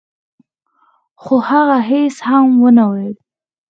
خو هغه هيڅ هم ونه ويل.